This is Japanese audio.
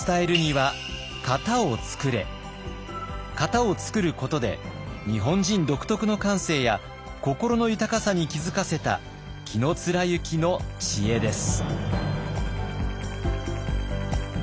型を創ることで日本人独特の感性や心の豊かさに気付かせた紀貫之の知恵です。